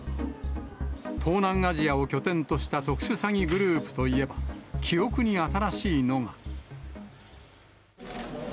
東南アジアを拠点とした特殊詐欺グループといえば、記憶に新しいのが。